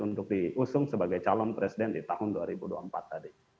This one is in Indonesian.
untuk diusung sebagai calon presiden di tahun dua ribu dua puluh empat tadi